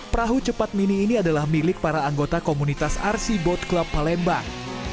perahu cepat mini ini adalah milik para anggota komunitas rc boat club palembang